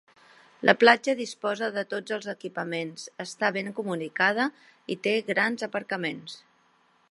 La platja disposa de tots els equipaments, està ben comunicada i té grans aparcaments.